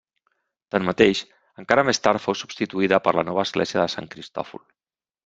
Tanmateix, encara més tard fou substituïda per la nova església de Sant Cristòfol.